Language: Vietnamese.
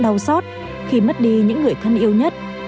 đau xót khi mất đi những người thân yêu nhất